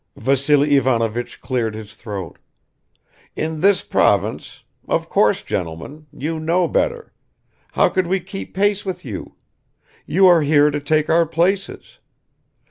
Vassily Ivanovich cleared his throat. "In this province ... of course gentlemen, you know better; how could we keep pace with you? You are here to take our places.